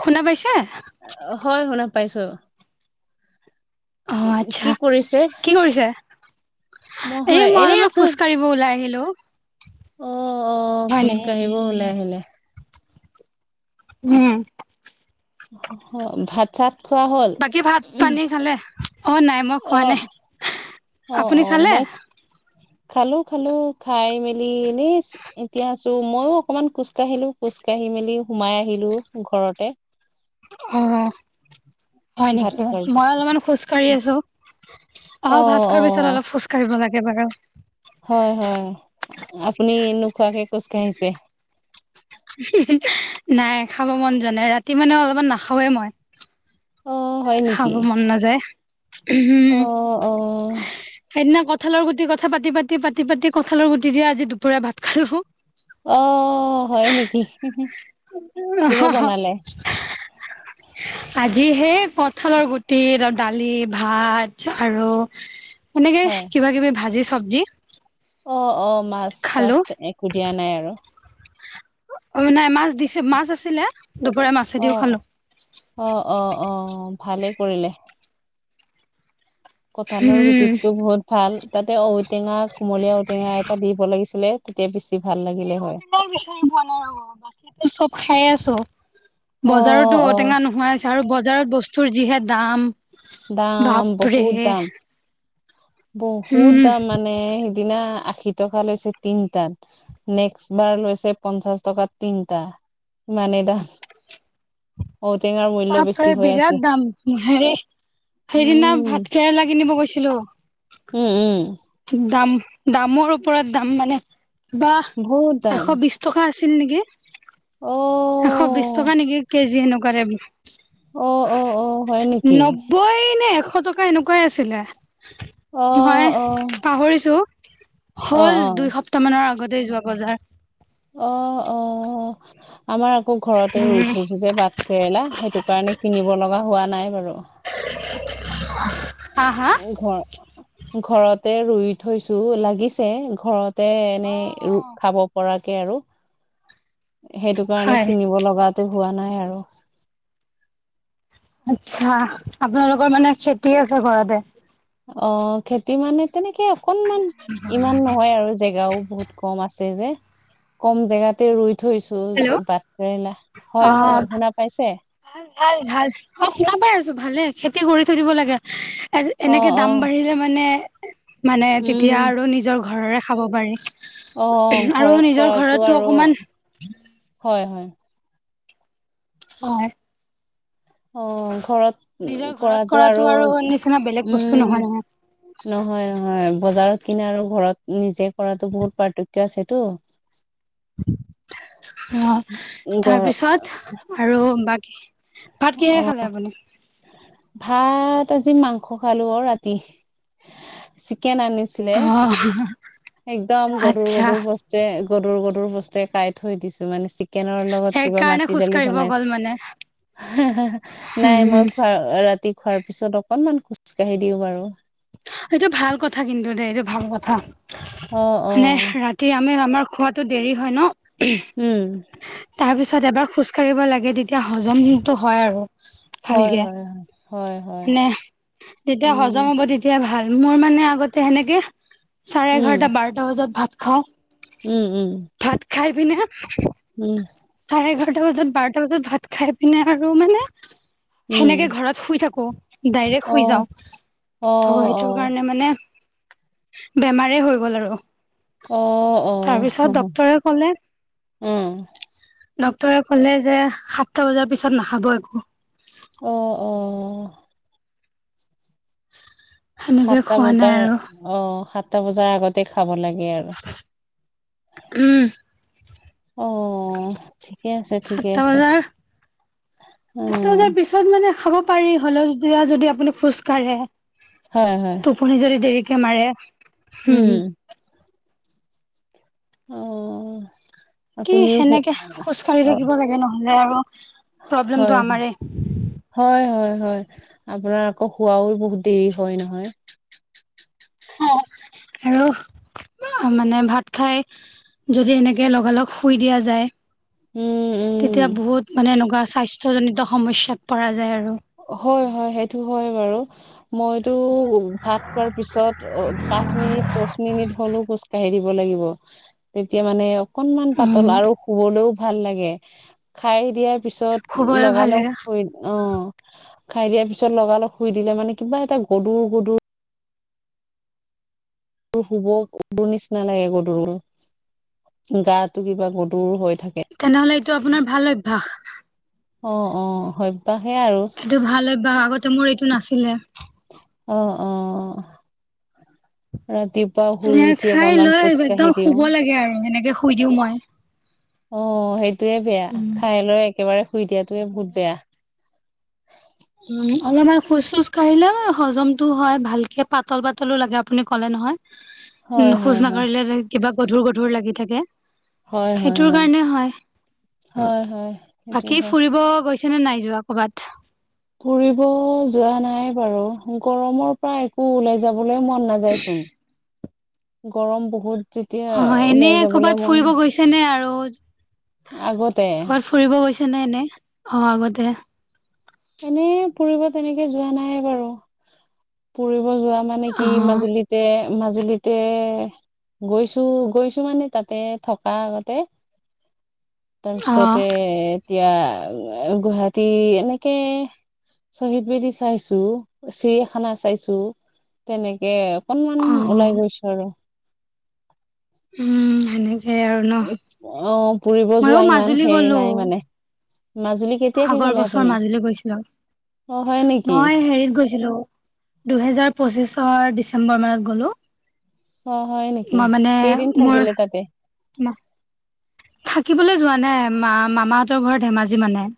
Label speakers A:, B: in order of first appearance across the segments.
A: শুনা পাইছে
B: হয় শুনা পাইছো।
A: অ,
B: কি
A: আচ্ছা
B: কৰিছে
A: কি কৰিছে? এ
B: হয়
A: মই
B: এনে
A: অলপমান
B: আছো
A: খোজ কাঢ়িব ওলাই আহিলো।
B: অ', অ',
A: হয় নেকি
B: খোজকাঢ়িব ওলাই আহিলে।
A: উম
B: অ, ভাত-চাত
A: বাকী ভাত পানী খালে? অ, নাই মই খোৱা
B: অ
A: নাই
B: অ
A: আপুনি
B: অ
A: খালে?
B: মই খালো খালো খাই মেলি এনেই এতিয়া আছো মইো অকনমান খোজকাঢ়িলো খোজ ককাঢ়িল [unintelligible] মেলি সোমাই আহিলো ঘৰতে।
A: অ হয়
B: ভাত
A: নেকি
B: খোৱাৰ
A: মই
B: পিছতে
A: অলপমান খোজ কাঢ়ি আছো আহ
B: অ
A: ভাত
B: অ
A: খোৱাৰ পিছত অলপ খোজ কাঢ়িব লাগে বাৰু
B: হয় হয় আপুনি নুখোৱাকে কোচ কছে
A: [unintelligible] নাই খাব মন যোৱা নাই ৰাতি মানে অলপমান নাখাওৱেই মই।
B: অ হয়
A: খাব
B: নেকি
A: মন নাযায়
B: অ
A: উম,
B: অ
A: সেইদিনা কত কঁঠালৰ গুটি কথাাতি পাতি পাতি পাতি কঁঠালৰ গুটি দিয় আজি দুপুই ভাত খালো
B: অ, হয় নেকি? কিহে
A: [unintelligible]
B: বনালে
A: আজিহে কঁঠালৰ গুটি [unintelligible] দালি ভাত আৰু এনেকে
B: হয়
A: কিবা-কিবি ভাজি চবজি
B: অ অ মাছ চাছ একো দিয়া নাই আৰু
A: অ নাই মাছ দিছে মাছ আছিলে দুপৰে মাছেদিও
B: অ'।
A: খালো
B: অ', অ', অ', ভালেই কৰিলে। কঁঠালৰ
A: উম
B: গুটিটোটো বহুত ভাল। তাতে ঔটেঙা কুমলীয়া ঔটেঙা এটা দিব লাগিছিলে তেতিয়া বেছি ভাল লাগে।
A: বিচাৰি পোৱা নাই ৰ বাকীো চব খাইে আছো
B: অ',
A: বজাৰতো
B: অ',
A: ঔটেঙা নোহোৱাই হৈছে আৰু বজাৰত বস্তুৰ যিহে দাম।
B: দাম
A: বাপৰে।
B: বহুত দাম বহুত
A: উম
B: দাম মানে দিনা আশী টকা লৈছে তিনটাত নেক্সট বাৰ লৈছে পঞ্চাশ টকাত তিনটা মানে দা
A: পাপৰে বিৰাট দাম হেৰি সেইদিনা
B: উম,
A: ভাত কেৰেলা কিনিব গৈছিলো
B: উম, উম
A: দাম দামৰ ওপৰত দাম মানে কিবা
B: বহুত দাম
A: এশ বিশ টকা আছে নেকি এশ বিশ
B: অ'।
A: টকা নেকি কেজি সেনেকুৱা টাইপ
B: অ অ অ হয় নেকি
A: নব্বৈ নে এশ টকা এনেকুৱাই আছিলে
B: অ
A: মই
B: অ
A: পাহৰিছো
B: অ
A: হল
B: অ
A: দুই সপ্তাহ মানৰ আগতে যোৱা বজাৰ
B: অ অ আমাৰ আকৌ ঘৰতে ৰুই
A: উম
B: থৈছো যে বাট কেৰেলা সেইটো কাৰণে কিনিব লগা হোৱা নাই বাৰু
A: [unintelligible] হা হা
B: ঘ ঘৰতে ৰুই থৈছো লাগিছে ঘৰতে এনেই খাব পৰা আৰু সেইটো কাৰণে
A: হয়
B: কিনিব লগা টো হোৱা নাই আৰু
A: আচ্ছা আপোনালোকৰ মানে খেতি আছে ঘৰতে
B: অ খেতি মানে তেনেকে অকনমান ইমান নহয় আৰু জেগাও বহুত কম আছে যে কম জেগাতে ৰুই থৈছো
A: হেল্ল'
B: বাট কেৰেলা হয়
A: অ
B: হয় শুনা পাইছে
A: ভাল ভাল ভাল অই শুনা পাই আছো ভালে খেতি কৰি থৈ দিব লাগে
B: অ
A: এনেকে
B: অ
A: দাম বাঢ়িলে মানে মানে
B: উম,
A: তেতিয়া আৰু নিজৰ ঘৰৰে খাব পাৰি
B: অ
A: আৰু
B: ঘৰত
A: নিজৰ
B: কৰাটো
A: ঘৰতো
B: আৰু
A: অকমান
B: হয় হয়
A: হয়
B: অ ঘৰত
A: নিজৰ ঘৰত
B: কৰাতটো
A: কৰাটো
B: আৰু
A: নিচিনা বেলেগ বস্তু
B: উম
A: নহয় নহয়
B: নহয় নহয় বজাৰত কিনে আৰু ঘৰত নিজে কৰাতো বহুত পাৰ্থক্য আছেতো
A: অ
B: গৰ
A: তাৰপিছত আৰু বাকী ভাত কিহৰে
B: অ
A: খালে আপুনি
B: ভাত আজি মাংস খালো আৰু ৰাতি কেন আনিছিলে
A: অ',
B: একদম গধুৰ
A: আচ্ছা
B: গধুৰ বস্তে গধুৰ গদুৰ বস্তুে কাই থৈ দিছো মানে চ চিকেনৰ লগত কিবা
A: সেইকাৰণে
B: মাটি
A: খোজ
B: দালি
A: কাঢ়িব
B: বনাইছ
A: গ'ল মানে
B: নাই মই
A: উম,
B: খোৱা ৰাতি খোৱাৰ পিছত অকনমান খোজ ককাঢ়ি দিওঁ বাৰু
A: এইটো ভাল কথা কিন্তু দেেই এইটো ভাল কথা
B: অ অ
A: মানে ৰাতি আমি আমাৰ খোৱাতো দেৰি হয় ন
B: উম
A: তাৰ পিছত এবাৰ খোজ কঢ়িব লাগে তেতিয়া হজমটো হয় আৰু
B: হয়,
A: ভালকে
B: হয়, হয়, হয়, হয়।
A: মানে তেতিয়া হজম
B: উম,
A: হ'ব তেতিয়া ভাল মোৰ মানে আগতে সেনেকে চাৰে
B: উম,
A: এঘাৰটা বাৰটা বজাত ভাত খাওঁ
B: উম, উম,
A: ভাত খাই পি নে
B: উম
A: চাৰে এঘাৰটা বজাত বাৰটা বজাত ভাত খাই পিনে আৰু মানে
B: উম,
A: সেনেকে ঘৰত শুই থাকো ডাইৰেক্ট শুই
B: অ', অ',
A: যাওঁ ত' সেইটো
B: অ',
A: কাৰণে মানে বেমাৰে হৈ গ'ল আৰু
B: অ অ
A: তাৰপিছত ডক্তৰে ক'লে
B: উম
A: ডক্তৰে কলে যে সাতটা বজাৰ পিছত নাখাব একো
B: আহ আহ
A: সেনেকে
B: সাতটা
A: খোৱা নাই
B: বজাৰ
A: আৰু
B: অ সাতটা বজাৰ আগতে খাব লাগে আৰু।
A: উম
B: অ ঠিক
A: সাতটা বজাৰ সাতটা
B: অ',
A: বজাৰ পিছত মানে খাব পাৰি হলেও যেয়া যদি আপুনি খোজ কাঢ়ে
B: হয়, হয়,
A: টোপনি যদি দেৰি দেৰিকে মাৰে
B: উম অ
A: কি
B: আপুনিও শু
A: সেনেকে খোজ কঢ়ি
B: অ',
A: থাকিব লাগে নহলে আৰু প্ৰব্লেমটো
B: হয়
A: আমাৰে
B: হয় হয় হয় আপোনাৰ আকৌ হোৱাও বহুত দেৰি হয় নহয়
A: অ আৰু মানে ভাত খাই যদি এনেকে লগালগ শুই দিয়া যায়
B: উম, উম।
A: তেতিয়া বহুত মানে এনেকুৱা স্বাস্থ্য জনিত সমস্যাত পৰা যায় আৰু
B: হয় হয় সেইটো হয় বাৰু মইতো ভাত খোৱাৰ পিছত অ পাঁচ মিনিট দচ মিনিট হ'লেও খোজ কাঢ়ি দিব ল তেতিয়া মানে অকনমান পাতল
A: উম
B: আৰু শুবলৈও ভাল লাগে খাই দিয়াৰ পিছত
A: শুবলৈ ভাল
B: লগালগ
A: লাগে
B: অ খাই দিয়াৰ পিছত লগালগ শুই দিলে মানে কিবা এটা গধুৰ গদুৰ শুব শুব নিচিনা লাগে গধুৰ গা টো কিবা গধুৰ হয়
A: তেনেহলে এইটো আপোনাৰ ভাল অভ্যাস
B: অ অ হয়বা
A: এইটো ভাল হয়্য আগতে মোৰ এইটো নাছিলে
B: অ অ ৰাতিুৱ
A: এ খাই লৈ একদম শুব লাগে আৰু সেনেকে শুই দিও মই
B: অ সেইটোৱে বেয়া
A: উম
B: খাই লৈ একেবাৰে শুই দিয়াতোৱে বহুত বেয়া
A: উম অলপমান শোজ চোজ কাঢ়ে হজমতো হয় ভালকে পাতল পাতলো লাগে আপুনি ক'লে নহয়।
B: হয়
A: খোজ
B: হয় হয়
A: নাকঢ়িলে কিবা গধুৰ গধুৰ লাগি থাকে।
B: হয় হয়
A: সেইটোৰ কাৰণে হয়
B: হয় হয় সেইটো
A: বাকী
B: হয়
A: ফুৰিব গৈছে। চনে নাই যোৱা ক'ৰবাত।
B: ফুৰিব যোৱা নাই বাৰু গৰমৰ পৰা একো ওলাই যাব। যাবলৈ মন নাযায় চোন গৰম বহুত। যেতিয়া
A: অ
B: ওলাই
A: এনেই
B: যাবলৈ
A: কৰ'বাত
B: মন
A: ফুৰিব গৈছে নে আৰু?
B: আগতে
A: নাই ন অ আগতে।
B: এনে ফুৰিব তেনেকে যোৱা নাই বাৰু। যোৱা মানে
A: অ
B: কি মাজুলীতে মাজুলীতে গৈছো গৈছো মানে তাতে থকা আগতে
A: অ
B: তাৰপিছতে এতিয়া গুৱাহাটী এনে তে শ্বহীদ বেদী চাইছো চিৰিয়াখানা চাইছো। তেনেকে অকনমান
A: অ
B: ওলাই গৈছো আৰু।
A: উম সেনেকে আৰু ন
B: অ'ফুৰিব
A: ময়ো
B: যোৱা ইমান
A: মাজুলী
B: হেৰি
A: গ'লো
B: নাই মানে। মাজুলী কেতিয়া শেষ
A: আগৰ
B: হলে
A: বছৰ
B: আপুনি
A: মাজুলী গৈছিলো।
B: অ হয় নেকি
A: মই হেৰিত গৈছিলো। দুহেজাৰ পঁচিশৰ ডিচেম্বৰ মাহত গ'লো।
B: অ হয় নেকি
A: মই মানে
B: কেইদিন
A: মোৰ
B: থাকিলে তাতে।
A: থাকিবলৈ যোৱা নাই মা মামাহঁতৰ ঘৰৰ ধেমাজি মানে।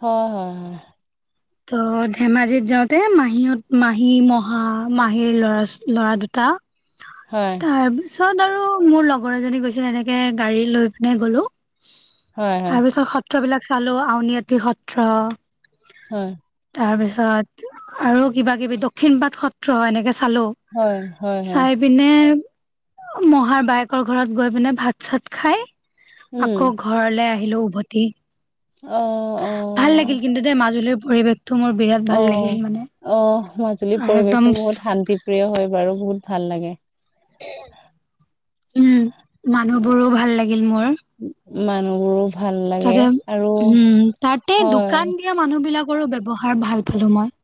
B: হয়, হয়, হয়।
A: ত ধেমাজিত যাওঁতে মাহীত মাহী মহা মাহীৰ ল'ৰা ল'ৰা দুটা।
B: হয়
A: তাৰ পিছত আৰু মোৰ লগৰ এজনী গৈছিল এনেকে গাড়ী লৈ পিনে গ'লো।
B: হয় হয়
A: তাৰ পিছত সত্ৰবিলাক চালো আউনীআটী সত্ৰ-
B: হয়।
A: তাৰপিছত আৰু কিবা কিবি, দক্ষিণ পাট সত্ৰ এনেকে চালো,
B: হয় হয় হয় হয়
A: চাই পিনে মহাৰ বায়েকৰ ঘৰত গৈ পেলাই ভাত-চাত খাই,
B: উম
A: আকৌ ঘৰলে আহি আহিলো উভতি।
B: অ'। অ
A: ভাল লাগিল কিন্তু দেই মাজুলীৰ পৰিৱেশ
B: অ', অ', মাজুলীৰ
A: আৰু একদম
B: পৰিৱেশো বহুত শান্তি প্ৰিয় হয় বাৰু বহুত ভাল লাগে।
A: উম, মানুহবোৰো ভাল লাগিল মোৰ।
B: মানুবোৰো
A: তাতে উম, তাতে
B: হয়
A: দোকান দিয়া মানুহ বিলাকৰো ব্যৱহাৰ ভাল পালো মই।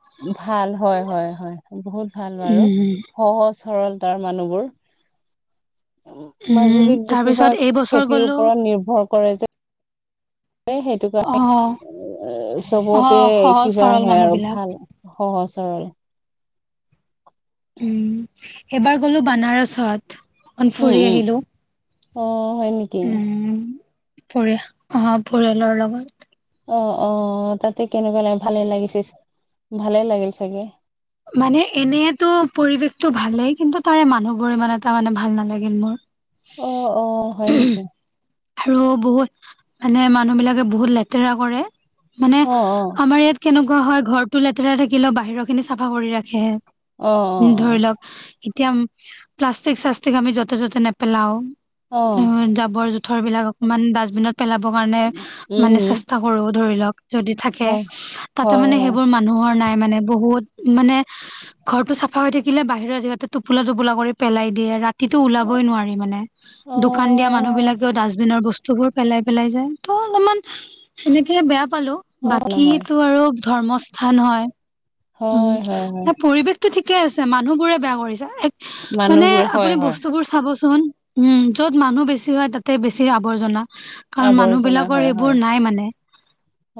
B: ভাল হয় হয় হয় বহুত ভাল বাৰু
A: উম
B: সহজ সৰলতাৰ মানুহবোৰ
A: উম
B: মাজুলীত
A: তাৰ পিছত
B: বেছিভাগ
A: এইবছৰ
B: খেতিৰ
A: গলো
B: ওপৰত নিৰ্ভৰ কৰে যে এ সেইটো
A: অ
B: কাৰণে
A: অ
B: চবতে
A: সহজ
B: কিবা
A: সৰল
B: হয়
A: মানুহ
B: আৰু
A: বিলাক
B: ভাল অ' ওচৰৰে
A: উম এবাৰ গ'লো বানাৰসত অকন
B: উম
A: ফুৰি
B: উম
A: আহিলো
B: অ হয় নেকি?
A: উম পৰিয়া অহা‌ পৰিয়ালৰ লগত
B: অ অ তাতে কেনেকুৱা লাগে ভালে লাগিছিছ ভালে লাগিল চাগে?
A: মানে এনেইতো পৰিৱেশতটো ভালেই কিন্তু তাৰে মানুহবোৰ ইমান এটা মানে ভাল নালাগিল মোৰ
B: অ অ হয় নেকি?
A: আৰু বহুত মানে মানুহ বিলাকে বহুত লেতেৰা কৰে মানে
B: অ অ
A: আমাৰ ইয়াত কেনেকুৱা হয় ঘৰটো লেতেৰা থাকিলে বাহিৰৰ খিনি চাফা কৰি ৰাখে
B: অ অ
A: ধৰি লওক এতিয়া প্লাষ্টিক চাষ্টিক আমি যতে ততে নেপেলাও
B: অ
A: জাবৰ যোথ বৰ বিলাক অকমান ডাষ্টবিনত পেলাবৰ কাৰণে মানে
B: উম
A: চেষ্টা কৰো ধৰি লওক যদি থাকে
B: হয়
A: তাতে
B: হয়
A: মানে
B: হয়
A: সেইবোৰ মানুহৰ নাই মানে বহুত মানে ঘৰটো চাফা হৈ থাকিলে বাহিৰৰ জেগাতে টোপোলা টোপোলা কৰি পেলাই দিয়ে ৰাতি কিতো ওলাবই নোৱাৰি মানে
B: অ
A: দোকান দিয়া মানুহ বিলাকেও ডাষ্টবিনৰ বস্ত টোবোৰ পেলাই পেলাই যায় ত অলপমান সেনেকে বেয়া পালো
B: অ
A: বাকী
B: নহয়
A: তো আৰু ধৰ্মস্থান হয়
B: হয় হয়
A: পৰিৱেশ তো ঠিকে আছে মানুহ বোৰে বেয়া কৰিছে এক মানে
B: মানুহবোৰে হয়
A: আপুনি
B: হয়
A: বস্তুবোৰ চাবচোন। উম য'ত মানুহ বেছি হয় তাতে বেছি আৱৰ্জনা। কাৰণ মানুহ
B: আৱৰ্জনা
A: বিলাকৰ
B: হয়
A: এইবোৰ
B: হয়।
A: নাই মানে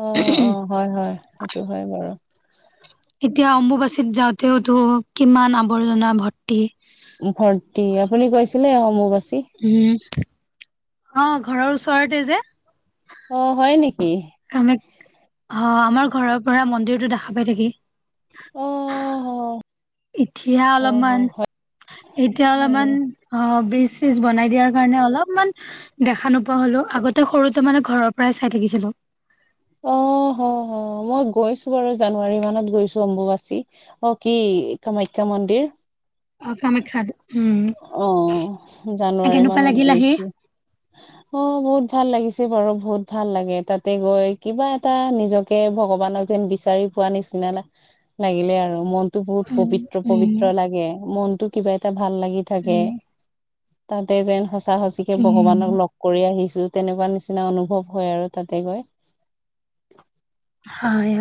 B: অ অ হয় হয় সেইটো হয় বাৰু।
A: এতিয়া অম্বুবাচীত যাওঁ তেওতো কিমান আৱৰ্জনা ভৰ্তি।
B: ভৰ্তি আপুনি গৈছিলে অম্বুবাচ
A: উম, অ, ঘৰৰ ওচৰতে যে।
B: অ', হয় নেকি
A: কামাখ্যা অ', আমাৰ ঘৰৰ পৰা মন্দিৰতো দেখা পাই থাকি
B: অ, হ।
A: এতিয়া
B: অ
A: অলপমান
B: হয়
A: এতিয়া অলপমান অ' ব্ৰিজ চ্ৰিজ বনাই দিয়াৰ কাৰণে অলপমান দেখা নোপোৱা হ'লো আগতে সৰুতে মানে ঘৰৰ পৰাই চাই থাকিছিল লো।
B: অ, হ - হ। অ' মই গৈছো বাৰু জানুৱাৰী মানত গৈছো অম্বুবাচী অ' কি কামাখ্যা মন্দিৰ
A: অ, কামেখ্যাত।
B: অ' জানুৱাৰী
A: কেনেকুৱা
B: মানত
A: লাগিল আহি
B: গৈছো অ' বহুত ভাল লাগিছে যি বাৰু বহুত ভাল লাগে তাতে গৈ কিবা এটা নিজকে ভগৱানক যেন বিচাৰি পোৱা নিচ না না লাগিলে আৰু মন টো বহুত
A: উম
B: পবিত্ৰ
A: উম
B: পবিত্ৰ লাগে মনটো কিবা এটা ভাল লাগি। থাকে
A: উম
B: তাতে যেন সঁচা সঁচিকে
A: উম
B: ভগৱানক লগ কৰি আহিছো। তেনেকুৱা নিচিনা অনুভৱ হয় আৰু তাতে গৈ।
A: হয়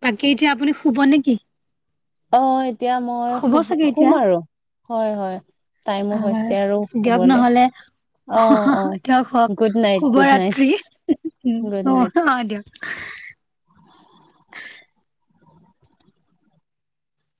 A: বাকী এতিয়া আপুনি শুব নেকি?
B: অ এতিয়া মই শুব
A: চাগে
B: শুম
A: এতিয়া
B: আৰু। হয় হয় টাইমো
A: হয়
B: হৈছে আৰু
A: দিয়ক
B: শুবলে।
A: নহলে
B: অহ অহ
A: দিয়ক হওক
B: গুড নাইট
A: শুভ
B: গুড নাইট
A: ৰাত্ৰি উম
B: গুড নাইট।
A: অ দিয়ক
B: [unintelligible]